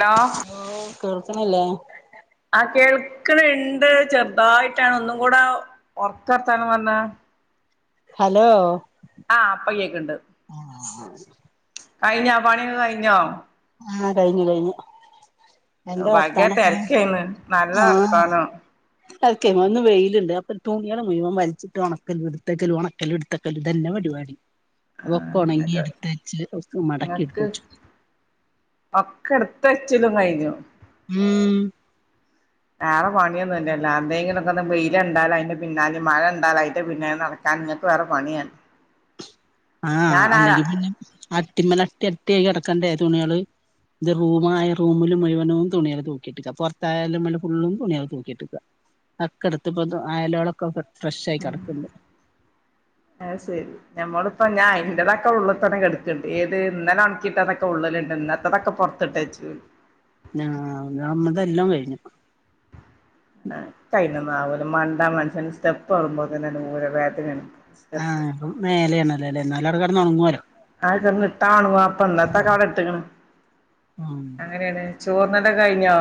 Hello ലോ. കേർക്കണില്ലേ ആ കേൾക്കണ ഇണ്ട് ചെറുതായിട്ടാണ് ഒന്നും കൂടെ ഉറക്കർത്താനം പറഞ്ഞ ഹലോ ആഹ് അപ്പകേക്ക് ണ്ട് കഴിഞ്ഞോ പണി ഒക്കെ കഴിഞ്ഞോ ആ കഴിഞ്ഞു കഴിഞ്ഞു എന്താ ഭയങ്കര വർത്താനൊക്കെ തിരക്കായിന്ന് നല്ല ആ വർത്താനം [unintelligible] ഇന്ന് വെയിലുണ്ട് അപ്പൊ തുണിയേൾ മുഴിവം വലിച്ച്ട്ട് ഉണക്കലു ഇട്ത്തക്കലും ഉണക്കലു ഇട്ത്തക്കലും തന്നെപരി പാടി ആ അപ്പൊക്കെ ഉണങ്ങി നിങ്ങക്ക് ഇടുത്ത് വച്ച് ഒക്കെ മടക്കി ഇട്ത്ത് നിങ്ങക്ക് വെച്ചു ഒക്കെ ഇടുത്തച്ചലും കഴിഞ്ഞു ഉം വേറെ പണിയൊന്നും ഇന്നല്ലോ എന്തെങ്കിലൊക്കെ വെയിലണ്ടാലും അതിന്റെ പിന്നാലെ മഴ ഉണ്ടാലും അതിന്റെ പിന്നാലെ നടക്കാ ക്ക വേറെ പണിയാണ് ആ ഞാൻ ആരാ അല്ലെങ്കിൽ പിന്നെ അട്ടിമ്മല അട്ടി അട്ടി അയി കെടക്കണ്ടേ തുണികള് റൂമായ റമിൽ മുഴുവനും തുണിള് തൂക്കിട്ടക്ക പുറത്ത അയൽമ്മൽ ഫുള്ളും തുണികൾ തൂക്കിട്ടക്ക അക്കെട്ത്തപ്പൾതു അയലുകളൊക്കെ [unintelligible] [inaudible] അഅ് സരി ഞമ്മളു [unintelligible] ഇന്റതൊക്കെ ഉള്ള് തന്നെ കെടക്ക്ണ്ട്. ഏത് ന്നലൊൺക്കിട്ടതൊക്ക ഉള്ളില്ണ്ട്. ന്നത്തതൊക്ക പൊർത്ത് ട്ടേച്ച്.. ഉം ഞാ ഞമ്മതെല്ലം കയിഞ്ഞു [unintelligible] മാണ്ട മൻഷ്യന് സ്റ്റെപ്പ് കേറ്മ്പൾക്കെന്നെണ്ട് ഊര വേദനണ്. ആ ഉം മേലെയാണല്ലോല്ലേ ന്നാലാട കെടന്നൊണങ്ങോലൊ. ആ [unintelligible] പ്പന്നത്തക്കാല ട്ട്ക്ക്ണ് ഉം അങ്ങനേണ് ചോർന്നല് കയിഞ്ഞോ?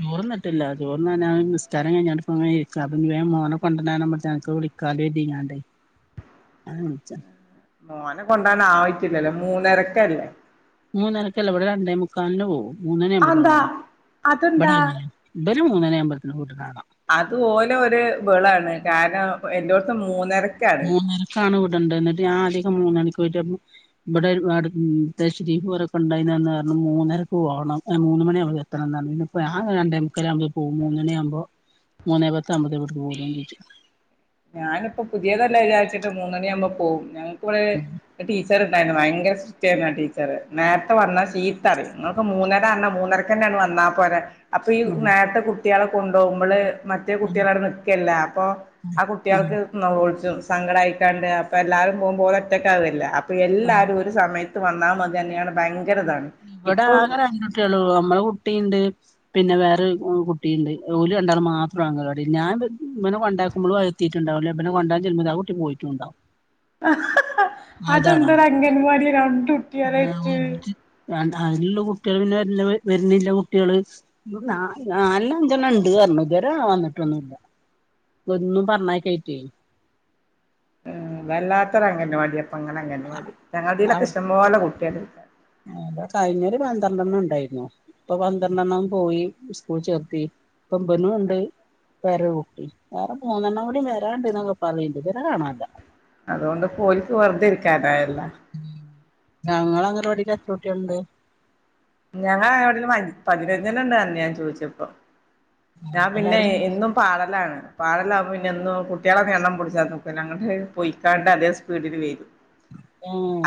ചോറ്ന്ന്ട്ട്ല്ല. ചോറ്‌ന്നാനാഅ് നിസ്ക്കാരം കയ്ഞ്ഞാട്ട് പ്പങ്ങനിരിക്കാ. അപ്പം ഞ്ഞി വേം മോന കൊണ്ട [unintelligible] [unintelligible] മോന കൊണ്ടാനായിറ്റില്ലല്ലൊ മൂന്നരക്കല്ലെ. മൂന്നരക്കല്ല വട രണ്ടേമുക്കാൽന് പോവും മൂന്നണി അതെന്താ അതെന്താ [unintelligible] ഒര് മൂന്നണിയാമ്പൾത്തിന് [unintelligible] അതു ഓലൊര് ബെളാണ്. കാരണം എല്ലോട്തും മൂന്നര മൂന്നരക്കാണ് വിടണ്ട ന്ന്ട്ട് ഞാ അധികം മൂന്നണിക്ക് [unintelligible] ബഡൊര്‌പാട് തശ്രീഫു ഓരോക്കേണ്ടയ്ന് ന്ന് പറഞ്ഞു മൂന്നരക്ക് പോണം [inaudible] ന്നു മണിയാവുമ്പൾക്ക് എത്തണംന്ന് അറിഞ്ഞീനും [unintelligible] രണ്ടേമുക്കാലാവുമ്പേ പോവു മൂന്നണിയാവുമ്പോ മൂന്നെ പത്താഉമ്പത്തേക്ക് [unintelligible] ഞാന്‌പ്പപുതിയതല്ലേ ചാരിച്ച്ട്ട് മൂന്നണിയാമ്പം പോവും [unintelligible] ച്ചർ ണ്ടായ്നു ഭയങ്കര [unintelligible] ച്ചായിരുന്നു ആ ടീച്ചറ് നേര്ത്ത വന്നാ ചീത്തറിയും. ങ്ങളൊക്ക മൂന്നര ർഞ്ഞാ മൂന്നരക്കെന്നെ ങ്ങ് വന്നാ പൊരെ. അപ്പയീ ഉം നേര്ത്ത കുട്ട്യള കുണ്ടോകുമ്പള് മറ്റേ കുട്ട്യളാട നിക്കല്ലേ? അപ്പൊ ആഹ് കുട്ട്യാൾക്ക് [unintelligible] സങ്കടായിട്ടണ്ട് അപ്പെല്ലാവരും പോവുമ്പോ ഓലൊറ്റക്കാവല്ലോ. അപ്പൊയെല്ലാരു ഒരു സമയത്ത് വന്നാ [unintelligible] ഇതാണ് ഇവട ഇപ്പൊ ആക രണ്ടുട്ട്യളൂ അമ്മള കുട്ടീണ്ട്. പിന്നെ വേറൊര് ഉ കുട്ടിയിണ്ട് ഓല് രണ്ടാളും മാത്ര [unintelligible] ഞാൻ വെനെ കൊണ്ടെയാക്കുമ്പളു [inaudible] ട്ടിണ്ടാവും ലേ പിന്നെ കൊണ്ടാക്കി ചെ ആ കുട്ടി പോയിട്ടുണ്ടാവും. അതന്താടാ അംഗൻവാടില് രണ്ട്ട്ട്. [unintelligible] താഴെയുള്ള കുട്ടികള് വ വരുന്നില്ല കുട്ട്യേള് നാലണ്ണം അ ഞ്ചെണം ഇണ്ട്പറഞ്ഞു ഇതുവരെ വന്നിട്ടൊന്ന. ഒന്നും പറഞ്ഞയക്കായിട്ടെ. ഉം വല്ലാത്തൊരു അംഗനവാടി അപ്പ അങ്ങെ അങ്ങൻവാടി ഞങ്ങളലൊക്കെ ഇഷ്ടംപോലെ കുട്ടിയ. ആ. കഴിഞ്ഞൊര് പന്ത്രണ്ടെണ്ണം ഉണ്ടായിരുന്നു ഇപ്പൊ പന്ത്രണ്ടെണ്ണം പോയി സ്കൂള് ചേർത്തി. ഇപ്പം ഇബനൂണ്ട്. വേറൊരു കുട്ടി വേറെ മൂന്നെണൂടി വരാണ്ട്ന്ന് പറയണ്ട് ഇതവരെ കാണല്യാ. അതുകൊണ്ട് ഓൽക്ക് വെറതെ ഇരിക്കാനായലോ. ഞങ്ങള അങ്ങനവാടിൽ എത്രകുട്ട്യേള്ണ്ട്‌. ഞങ്ങളെ ഇവിടെ പതിനെജണം ഇണ്ടായിരുന്നു ഞാൻ ചോയിച്ചപ്പോ. ഞാൻ പിന്നെ എല്ലാരും ഇന്നും പാടലാണ് പാടല. പിന്നെ ഒന്ന് കുട്ട്യേളൊക്കെ എണ്ണം പിടിച്ചാ നോക്കൂ അങ്ങട്ട് പൊയിക്കാണ്ട് അതേ സ്പീഡില് വരും.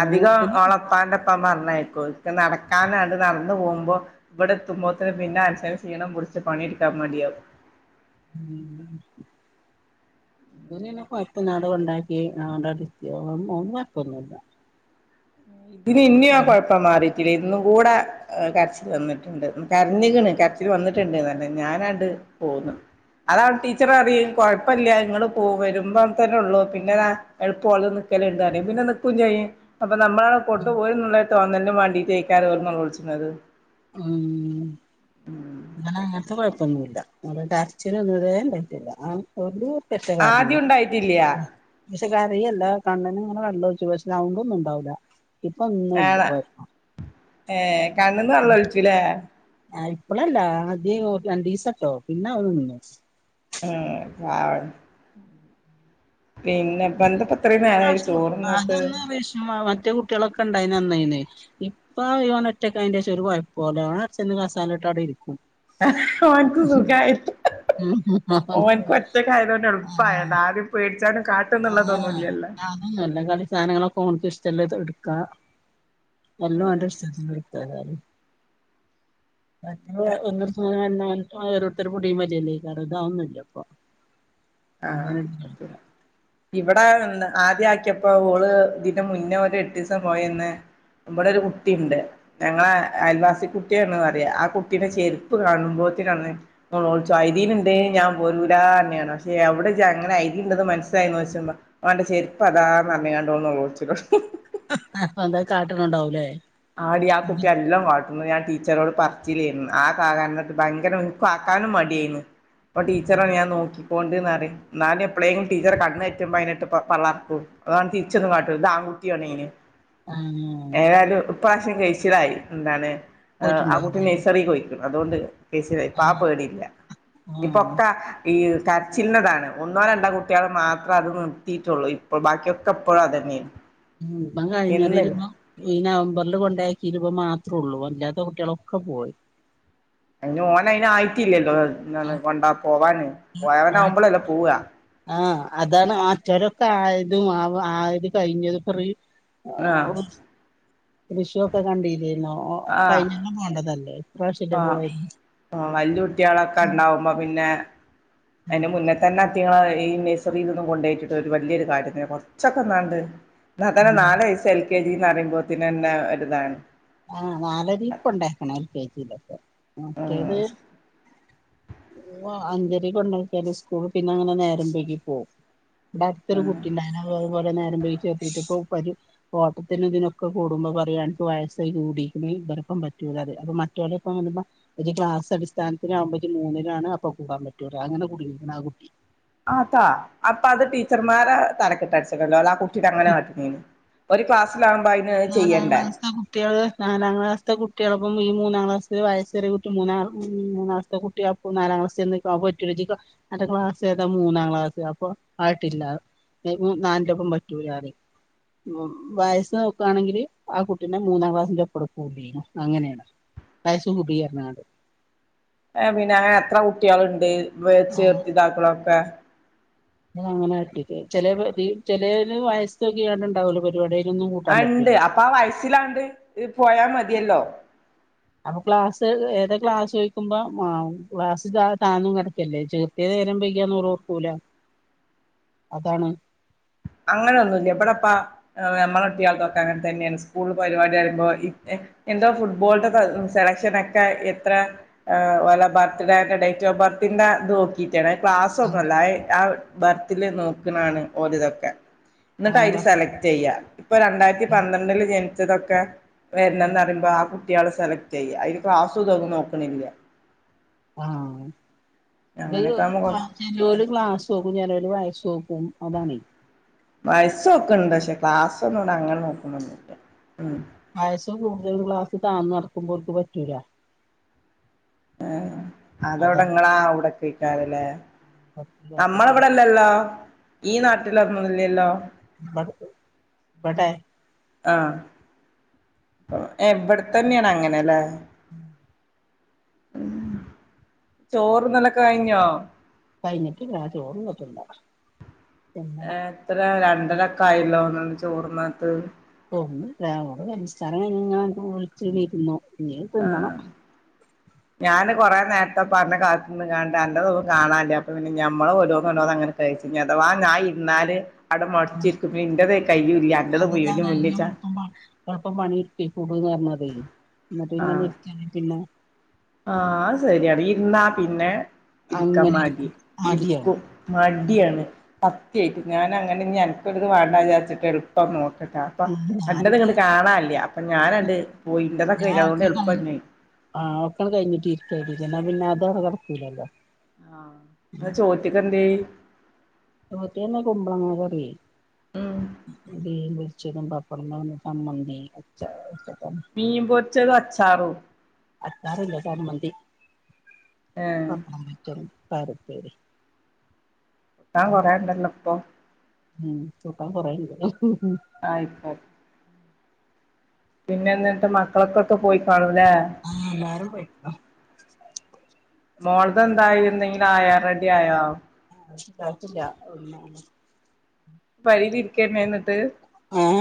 അധികം ഓളെ ഉപ്പാന്റെ ഒപ്പം പറഞ്ഞയ്ക്കൂ ഇക്ക് നടക്കാനാണ്. നടന്നു പോവുമ്പോ ഇവിടെ എത്തുമ്പോത്തിന് പിന്നെ മന്സന് സീണം പിടിച്ച് പണിടുക്കാൻ മടിയാകും. മ്മ് മ്. ഓന് പിന്നെ കൊഴപ്പല്യാ അങ്ങട് കൊണ്ടാക്കി അവടങ്ങ് ഇരുത്തി ഓന് കൊഴപ്പൊന്നുല്ല. ഇതിന് ഇന്നിയും ആ കൊഴപ്പം മാറി. കുട്ടില ഇന്നും കൂടെ കരച്ചിൽ വന്നിട്ടുണ്ട് കരഞ്ഞിക്ക്ണ് കരച്ചിൽ വന്നിട്ടുണ്ട്ന്നല്ല ഞാനാണ്ട്. പോന്ന് അതാണ് ടീച്ചർ പറയും കൊ ഴപ്പല്യ ഇങ്ങള് വെരുമ്പോ തന്നെള്ളൂ പിന്നെ എളുപ്പം ഓൽനിക്കലിണ്ടെന്ന് പറയും പിന്നെ നിക്കും ചെയും. അപ്പൊ നമ്മളാണ് കൊണ്ടുപോയ എന്നുള്ള തോന്നലും മണ്ടിട്ടേക്കാരം ഓൽ നെലൊളിച്ച്ണത് ഉം അങ്ങന അങ്ങനത്തെ കുഴപ്പ മെന്നുമില്ല കരച്ചിൽ ഇതുവരെ ഉണ്ടായിട്ട്ല്ല [unintelligible] എത്തെ കരഞ്ഞു ആദ്യം ഉണ്ടായിട്ടില്ല കറരയല്ല കണ്ണന് ഇങ്ങനെ വെള്ളം ഒഴച്ച് വെച്ച് പക്ഷെ സൗണ്ടൊന്നും ഉണ്ടാവുല്ല ഇപ്പൊ ഒന്നും ഇല്ലകൊയപ്പം ഏഹ് കണ്ണ്ന്ന് വെള്ളം ഒല്ച്ചുലേ ആ ഇപ്പളല്ല അദ്യ രണ്ട്സർട്ടോ പിന്നെ അവ നിന്നു എഹ് ആ ഇപ്പ ഈ ഇത്രയും നേരായി പ്രാവശ്യം അത് ചോറുന്നിട്ട് ഒന്ന് അപേക്ഷിച്ച മറ്റേ കുട്ടികളൊക്കെ ഉണ്ടായിന് അന്നായിന് ഇപ്പൊ ഇവൻ ഒറ്റക്ക് ആയതിന് ശേഷം ഒരു കുഴപ്പംല്ല ഓൻ അച്ഛൻ്റെ കസാര ഇട്ട് അവിടെ ഇരിക്കും ആഹ് ഓൻക്ക് സുഖായി ഓന്ക്ക് ഒറ്റക്കായതു കൊണ്ട് എളുപ്പായത് ആരയും പേടിച്ചാണ് ആ നല്ല കളി സാധനങ്ങളൊക്കെ ഓന്ക്ക് ഇഷ്ടമുള്ളത് എടുക്കാ എല്ലാം ഓൻ്റെ ഇഷ്‌ടത്തിന് ഇട്ക്കാകരം മറ്റേ സം ഒന്ന്ട്ക്കുബൊൾ ഓരൊരത്തര് പിടി വലിഅല്ലേക്കാരം ഇത് അതൊന്നും ഇല്ലപ്പൊ ആ ഓ ഇവിടെ ആദ്യ ആക്കിയപ്പോ ഓള് ഇതിന് മുന്നേ ഒരു എട്ട് സം പോയന്ന് നമ്മുടെ ഒരു കുട്ടിയുണ്ട് ഞങ്ങളെ അയൽവാസി കുട്ടിയാണ പറയാ ആ കുട്ടിയുടെ ചെരുപ്പ് കാണുമ്പോൾ നെലൊള്ച്ച് ഐദിന് ഇണ്ടേൽഞാൻ പോരൂല അർഞ്ഞ്ണ് എവിട ഇജ്ജ് അങ്ങനെ ഐതിണ്ടത് മനസ്സിലായിന്നു ചോദിച്ചപ്പ ഓൻ്റെചെരുപ്പ് അതാന്ന് അറഞ്ഞാണ്ട് നെലൊള്ച്ചലൊടുങ്ങും ഹഹ് എന്താ കാട്ടണ് ഉണ്ടാവൂല്ലേ ആടി ആ കുട്ടി എല്ലാം വാട്ട്ന്ന് ഞാൻ ടീ ടീച്ചറോട് പറച്ചിലേര്ന്നു ആ [unintelligible] ഭയങ്കരം എവ്ട്ക്കും ആക്കാനും മടായാരുന്ന് അപ്പം ടീച്ചറെ ഞാൻ നോക്കി ണ്ട്ന്പറിം ന്നാലും എപ്പേഴെങ്കിലും ടീച്ചറെ കണ്ണ് തെറ്റുമ്പോൾ അതിനെ ഇട്ട് പള്ളർക്കും അതാണ്ട്തിര്ച്ചൊന്നും കാട്ടൂല പൂതിയാണയ്ന് ആഹ് ഇപ്രാവശ്യം കഴിച്ചിലായി എന്താണ് അ് ആ കുട്ടി പോയിട്ടുണ്ടാവുലേ നഴ്സറീക്ക് പോയിക്ക്ണ് അതുകൊണ്ട് കയിച്ചിലായി ഇപ്പം ആ ആഹ് പേടില്ല ആഹ് ഇപ്പൊക്ക ഈ കരച്ചിലിന്റെതാണ് ഒന്നോ രണ്ടോ കുട്ടികൾ മാത്ര അത് നിർത്തിയിട്ടൊള്ളൂ ഇപ്പോ ബാക്കിയൊക്കെ എപ്പോഴും അത് തന്നെയാണ് ഉം ഇപ്പം കഴിഞ്ഞുവരുമ്പോ ഈ നവംബറിൽ കൊണ്ട് കൊണ്ടാക്കിയേത് ഇവൻ മാത്രൊള്ളൂ അല്ലാത്ത കുട്ടികളൊക്കെ പോയി അയിന് ഓന് അയിന് ആയിട്ടില്ലല്ലോ എന്താണ് കൊണ്ട പോവാന് ആ പൊവനാകുമ്പളല്ലെ പോവാ ആഹ് അതാണ് മറ്റൊരൊക്കെ ആയതും ആ ആയത് കഴിഞ്ഞത് പ്പം റി ആഹ് ഷു റിഷുവൊക്കെ കണ്ടീല്ലേര്ന്നോ കൈഞ്ഞൊല്ലം പോവണ്ടതല്ലേ ആ ആ വല്യ കുട്യാളൊക്കെ ഒക്കണ്ടാവുമ്പോ പിന്നെ അതിന്റെ മുന്നെ തന്നെ അയ്റ്റങ്ങളെ ഈ നഴ്സറീൽ ഒന്നും കൊണ്ടോയിട്ടിട്ട് ഒരു വലിയൊരു കാര്യം തന്നെ കൊറച്ചൊക്കെ ഒന്നാണ്ട് തന്നെ നാല് വയസ്സ് എൽ കെ ജി എന്ന് പറയുമ്പോത്തന്നന്നെ ഒരുതാണ് ആഹ് നാലെരീ കൊണ്ടാക്കണം എൽ കെ ജി യിൽ ഒക്കെ മറ്റേത് ഉം ഓ അഞ്ചരെ കൊണ്ടാക്യാല് സ്കൂൾ പിന്നെ അങ്ങനെ നേരമ്പഴക്കി പോവും ഇവിടെ അടുത്തൊരു കുട്ടിണ്ടായിരുന്നു അതുപോലെ നേരം വൈകി ചേർത്തീട്ട്പ്പോ ഒരു ഓട്ടത്തിന് ഇതിനൊക്കെ കൂടുമ്പോ പറയുവാണ് അന്ക്ക് വയ് സെയ് കൂടീക്ക്ണ് ഇവരൊപ്പം പറ്റൂലാന്ന് അപ്പൊ മറ്റോലപ്പം ഒന്ന്പ്പം ഒരു ക്ലാസ് അടിസ്ഥാനത്തിനാകുമ്പോ ജ്ജ് മൂന്ന് ലാണ് അപ്പൊ കൂടൻ പറ്റൊളു അങ്ങനെ കൂടീക്ക്ണാ കുട്ടി ആതാ അപ്പൊ അത് ടീച്ചർമാരെ തലക്കിട്ടട്ച്ചണ്ടെ അല്ല ആ കുട്ടിഓടങ്ങനെ കാട്ടുന്നതിന് നാലാം ക്ലാസിലെ കുട്ടികള് നാലാം ക്ലാസിലത്തെ കുട്ടികളൊപ്പം ഈ മൂന്നാം ക്ലാസിൽ വയസ് ഏറിയ കുട്ടി മൂന്നാ മൂന്നാംക്ലസ്തെ കുട്യാക്കും നാലാം ക്ലസ്ൽ ചെന്ന്ക്ക അന്റെ ക്ലാസ് ഏതാ മൂന്നാം ക്ലാസ് അപ്പൊ ആയിട്ടില്ല [unintelligible] നാലിൻ്റൊപ്പം പറ്റൂലാറിം വ് വയസ് ആണെങ്കില് ആ കുട്ടിനെ മൂന്നാം ക്ലാസിന്റെപ്പം ഇട്ക്കുലെയ്നു അങ്ങനെയാണ് വയസ്കുടിപറ്ഞ്ഞ്കാണ്ട് ഏ പിന്നെ എത്ര കുട്ടികളുണ്ട് ചേർത്തി ഇതാക്ക്ണൊക്കെ അ അങ്ങനെട്ടി ചെലവ് ചെലയ്ല് വയസ്സോക്കികാണ്ട് ഉണ്ടാവലോ പരിപാടി അതിനൊന്നും കൂട്ടാൻ ഉണ്ട് പറ്റൂല്ല അപ്പൊ ആ വയസ്സിലാണ്ട് പോയാ മതിയല്ലോ അപ്പൊ ക്ലാസ് ഏതാ ക്ലാസ് ചോദിക്കുമ്പോൾ ആ ക്ലാസ് താന്നും കിടക്കല്ലേ ചേർത്തിയത് നേരംവൈകിയാ ന്നോറ്ക്കൂല അതാണ് അങ്ങനെയൊന്നുല്ല ഇവിടെ ഇപ്പോൾ നമ്മുടെ കുട്ടികൾതൊക്കെ അങ്ങനെ തന്നെയാണ് സ്ക്കൂളില് പരിപാടി പറയുമ്പോ എന്തോ ഫുട്ബോളിന്റെ സെലക്ഷൻ ഒക്കെ എത്ര് ഓലെ ബർത്ത്ഡേന്റെ ഡേറ്റും ബർത്തിന്റെ അത് നോക്കിയിട്ടാണ് അ് ക്ലാസ് ഒന്നുംഅല്ല ആ ബർത്തിൽ നോക്ക്ണാണ് ഓരിതൊക്കെ എന്നിട്ട് ആ അതില് സെലക്ട് ചെയ്യാ ഇപ്പൊ രണ്ടായിരത്തി പന്ത്രണ്ടില് ജനിച്ചതൊക്കെ വരന്നെന്ന് പറയുമ്പോ ആ കുട്ടികളെ സെലക്ട് ചെയ്യ അതില് ക്ലാസ് ഒന്നു നോക്ക്ണില്ല ആഹ് ഇത് ആകുമ്പോ ചെലോരു ക്ലാസ് നോക്കും ചെലോര് വയസ് നോക്കും അതാണെ വയസ്സ് നോക്കുന്നുണ്ട് പക്ഷെ ക്ലാസ്സ് ഒന്നും അങ്ങനെ നോക്കുന്നൊന്നില്ല ഉം വയസ്സ് കൂടുതൽ ഉള്ളവർക്ക് താഴ്ന്ന് നടക്കുമ്പോർക്ക് പറ്റൂല അ് അതവ്ടെ അതാണ് ഇങ്ങളെ ആ അവ്ടൊക്കെയ്ക്കാരലെ നമ്മളവിടെല്ലല്ലോ ഈ നാട്ടിൽ ഒന്നുമില്ലല്ലോ വടെ ആഹ് ഏ ഇവിടെത്തന്നെയാണ് അങ്ങനെല്ലേ [unintelligible] ചോറ് തിന്നല് കഴിഞ്ഞോ കഴിഞ്ഞിട്ട് ഇല്ല ചോറ് തിന്ന് ട്ടില്ല എത്ര രണ്ടരൊക്കെ ആയല്ലോ ന്നട്ട് ചോറ് എന്താ തിന്നാത്ത? ഒന്നുമല്ല നിസ്‌കാരം കഴിഞ്ഞ് വിളിച്ചിരുന്നു ഇനി തിന്നണം ഞാൻ കുറെ നേരത്തെ പറഞ്ഞ് കാത്ത്ന്ന്കാണ്ട് അന്നൊന്നും കാണല്ലേ അപ്പൊ പിന്നെ ഞമ്മെ ഓരോന്നോരോന്നായി അങ്ങനെ ഞ്ഞ് അഥവാ ഞാൻ ഇരുന്നാല് അവിടെ [unintelligible] മൊടച്ചിരിക്കും പിന്നെ ഇന്റത് കയ്യൂല്ല അന്റത് ങ്ങട്ട് മുഴുവനും മുന്നിച്ചാ പിന്നെ ഒന്ന് ആഹ് ഇര്ക്കാണെങ്കി പിന്നെ ആഹ് അത് ശരിയാണ് ഇര്ന്നാ പിന്നെ ഇടുക്കാൻ അങ്ങനെ മടി ഇരിക്കും മടിയാണ് ഇർക്കും മട്യാണ് സത്യായിട്ട് ഞാൻ അങ്ങനെ ഞ്ഞ് അൻക്. ഒരിത് വേണ്ട വിചാരിച്ചിട്ട് എളുപ്പം നോക്ക [unintelligible] അപ്പം ഞാന് അൻ്റത് ഇങ്ങട്ട് കാണാല്ല അപ്പൊ ഞാനണ്ട് പോയിതൊക്കെ എന്റേത് എളുപ്പം കഴിഞ്ഞതുകൊണ്ട് എളുപ്പംന്ന ആഹ് ഒക്കെ കഴിഞ്ഞിട്ട് ഇര്ക്കാ നല്ലത് എന്നാ പിന്നെ അതോടെ കിടക്കൂലല്ലോ ഇന്ന് ചോറ്റ്ക്കെന്തേ പേര്ക്ക്ന്ന് കുമ്പളങ്ങ കറി ഉം അത് [unintelligible] മീൻ പൊരിച്ചതും അച്ചാറും. അച്ചാറില്ല ചമ്മന്തി ഏഹ് പപ്പടം പൊരിച്ചതും പയർ ഉപ്പേരി കൂട്ടാൻ കൊറണ്ടല്ലോ ഇപ്പൊ ഉം കൂട്ടൻ കുറേയുണ്ട്. ആയിക്ക പിന്നെ എന്നിട്ട് മക്കളൊക്കെ പോയിക്കണുന്നു ആഹ് എല്ലാരും പോയിരിക്കുന്നു മേൾക് എന്തായി എന്തെങ്കിലും ആയാ റെഡി ആയാോ? ആഹ് ആയിട്ടില്ല ഒന്നും പഴതി ആഹ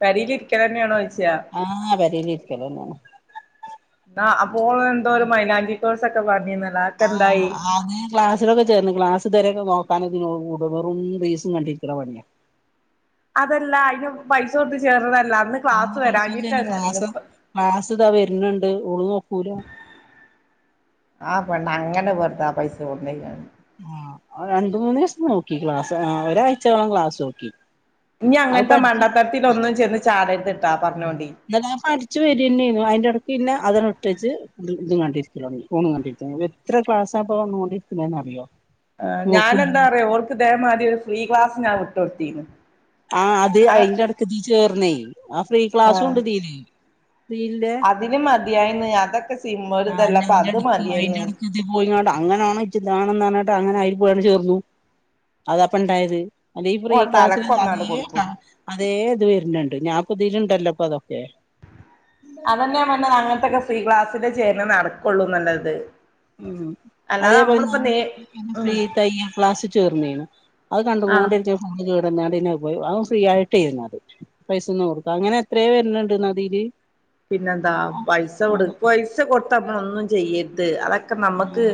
പെരേല് ഇരിക്കലെന്നെയാണോ ചോയ്ച്ചാ ആഹ് പേരിലിരിക്കല്ലെന്നേ ആ അപ്പോൾ എന്തോ ഒരു മൈനാംഗി കോഴ്സ ഒക്കെ പറഞ്ഞിന്ന ആ അത് ക്ലാസിലൊക്കെ ചേർന്ന് ക്ലാസ് ഇതൊരെക്കും നോ [unintelligible] വെറും റിലീസും കണ്ടിരിക്കണ പണിയ. അതല്ല അതിന് പൈസ കൊടുത്ത് ചേർന്ന ആഹ ത ക്ലാസ ക്ലാസ് ഇതാ വരുന്നണ്ട് ഒള് നോക്കൂല ആ പെണ്ണ അങ്ങനെ വെറുതാ ആ പൈസ കൊണ്ടേ കളഞ്ഞു ആ രണ്ട് മൂന്ന് ദിവസം നോക്കി ക്ലാസ് ഒരാഴ്ച വേണം ക്ലാസ്സ് നോക്കി ഇനി അത് അങ്ങനത്തെ മണ്ടത്തരത്തിൽ ഒന്നും ചെന്ന് ചാടരുത് എന്നൻ പഠിച്ചു വരന്നു അയിന്റെ ഇടക്ക് ഇന്നെ അതെ ഒട്ടേച്ച് ഇതും കണ്ടിരിക്ക ഫോണും കണ്ടിരിക്ക എത്ര ക്ലാസാ പോകുന്നെന്ന് പ്പോന്ന് അറിയോ ആ ഞാനെന്താ പറയാ ഓർക്ക്തേംമാതി ഒരു ഫ്രീ ക്ലാസ് ഞാൻ വിട്ടൊത്തീന്ന് ആ അത് അയിന്റെടക്ക് ഇതി ചേർന്നേ ആ ഫ്രീ ആ ക്ലാസ്സും ഉണ്ട് തീര് വീൽന്റെ [unintelligible] ആ സിമ്മൊരിതല്ല അപ്പൊ അത് അയിന്റെടക്ക് മതിയായിന്ന് അയിന്റെടയ്ക്ക് പോയിങ്ങട്ട അങ്ങനാണോട്ട അങ്ങനെ ആയി പോയാണ് ചേർന്നു അത അപ്പ ഇണ്ടായത് അല്ല ഈ ഫ്രീ ഓളെ ക്ലാസ്സിൽ അതേ തലക്കൊന്നാണ്ട് കൊടുക്കും താ അതേ ഇത് വരുന്നുണ്ട് ഞാൻ പ്രതേകിച്ചു തെല്ലപ്പ അതൊക്കെ അതന്നെയാ പറഞ്ഞത് അങ്ങനത്തെക്കെ ഫ്രീ ക്ലാസ്സില് ചേർന്ന നടക്കുള്ളൂ നല്ലത് മ് അതേപോലെ ഞാൻ എറെ ഉം ഫ്രീ തയ്യൽ ക്ലാസ്സിൽ ചേർന്നീരുന്നു അത് ആഹ് കണ്ടൊണ്ട ഇരിക്ക ഫോൺ കേ [unintelligible] അ ഫ്രീ ആയിട്ട് ഇരുന്നത് പൈസന്നും കൊടുക്ക അങ്ങനെ എത്രയോ വരുന്നുണ്ട് നദീയില് പിന്നെന്താ പൈസ കൊടു പൈസ കൊടുത്ത് നമ്മള് ഒന്നും ചെയ്യരുത് അതൊക്കെ നമുക്ക് ഉം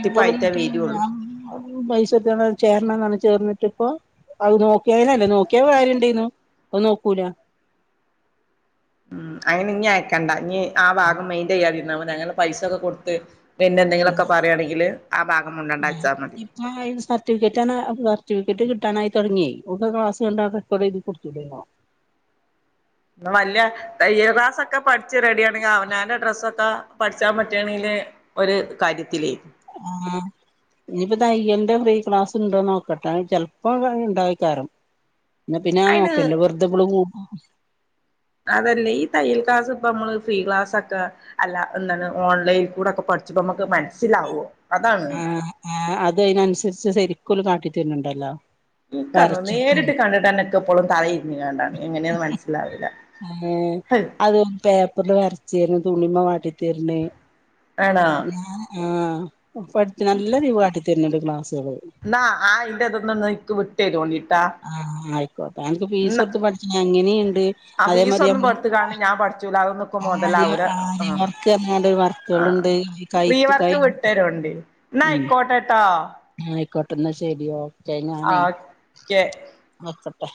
ഇപ്പോളും നീ വരുള്ളൂ ഞാൻ. [unintelligible] മൈസൂരിത്ത ചേരണ പറഞ്ഞ് ചേർന്നിട്ടിപ്പോ അത് നോക്കിയന്നല്ല നോക്കിയാ വേറെ ഇണ്ടനു അത് നോക്കൂല ഉ അങ്ങനെ ഇനി അയക്കണ്ട ഇനി ആ ഭാഗം മെയിന്റയിൻ ചെയ്യാതിരുന്നാ മതി അങ്ങനെ പൈസൊക്കെ കൊടുത്ത് പിന്നെ എന്തെങ്കിലുമൊക്കെ പറയുകയാണെങ്കില് ആ ഭാഗം മുണ്ടാണ്ട് വെച്ചാ മതി ഇപ്പൊ സർട്ടിഫിക്കറ്റ്ണ് സർട്ടിഫിക്കറ്റ് കിട്ട കിട്ടാനായി തുടങ്ങിയേ ഓക്ക് ക്ലാസ് കണ്ടോണ്ട് ഇത് എഴുതി കൊടുത്തുടോയ്നോ. വല്ല തയ്യൽ ക്ലാസ് ഒക്കെ പഠിച്ച് റെഡിയ ആണെങ്കിൽ അവനാന്റെ ഡ്രസ്സൊക്കെ പഠിച്ചാൻ പറ്റുകയാണെങ്കില് ഒരു കാര്യത്തിലേ. ആഹ് ഇനിപ്പ തയ്യലിന്റെ ഫ്രീ ക്ലാസ് ഉണ്ടോന്ന് നോക്കട്ടെ ചെലപ്പോ ഉണ്ടാവാക്കാരം. എന്ന പിന്നെ ആ അയിന് നോക്കല്ല വെറുതെ ഇവളും പോ അതല്ലേ ഈ തയ്യൽ ക്ലാസ് ഇപ്പ നമ്മള് ഫ്രീ ക്ലാസൊക്കെ അല്ല എന്താണ് ഓൺലൈനിൽ കൂടെക്കെ പ കുറച്ചപ്പോ നമുക്ക് മനസ്സിലാവോ? അതാണ് ആ അത് അതിനനുസരിച്ച് ശരിക്കും ഓല് കാട്ടി തരുന്നുണ്ടല്ലോ. ക്കന്നു വരച്ചിട്ടും നേരിട്ട് കണ്ടിട്ടനെക്കെപ്പോളും തല തിരിഞ്ഞു കണ്ടാണ് എങ്ങനെയന്ന് മനസ്സിലാവില്ല ഏഹ് ഹയ് അത് പേപ്പറില് വരച്ച് തര്ണ് തുണിമെ കാട്ടി തര്ണ്. ആണോ. ആഹ പഠി നല്ല രീ കാട്ടി തരുന്നോണ്ട് ക്ലാസ്സ്. എന്ന ആ അയിന്റതൊന്ന് എനക്ക് വിട്ട് തരുവോണ്ടിട്ടോ. ആ ആയിക്കോട്ടേ അനക്ക് ഫീസ് കൊടുത്ത് പഠിച്ച എങ്ങനെയുണ്ട് ആ അതേ ഫീസ് മാതിരി ഒന്നും നമ്മള് കൊടുത്തുകാണ്ട് ഞാൻ പഠിച്ചൂല അതൊന്നൊക്കെ ആര് മുതലാവൂല ആ ആര്യ വർക്ക് എങ്ങാണ്ട് ആ വർക്കുകളുണ്ട് കഴുത്ത് കഴു എന്നായിക്കോട്ടെട്ടോ ആയിക്കോട്ടെന്നാ ശെരി ഓക്കെ ഞാനേ ഓക്കെ നിർത്തട്ടെ.